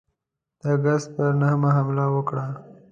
د آګسټ پر نهمه حمله وکړه.